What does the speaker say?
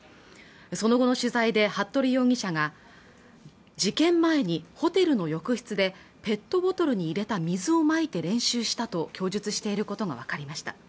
その後の取材で服部容疑者が事件前にホテルの浴室でペットボトルに入れた水をまいて練習したと供述していることが分かりました